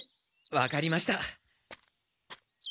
わかりました。